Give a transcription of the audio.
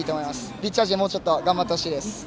ピッチャー陣ももうちょっと張ってほしいです。